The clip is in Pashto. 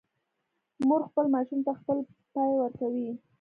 مور خپل ماشوم ته خپل پی ورکوي